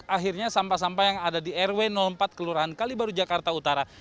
akhirnya sampah sampah yang ada di rw empat kelurahan kalibaru jakarta utara